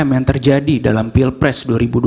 yang terjadi dalam pilpres dua ribu dua puluh